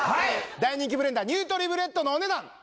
大人気ブレンダーニュートリブレットのお値段